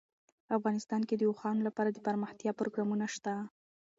افغانستان کې د اوښانو لپاره دپرمختیا پروګرامونه شته.